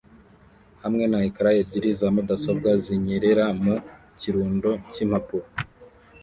hamwe na ecran ebyiri za mudasobwa zinyerera mu kirundo cyimpapuro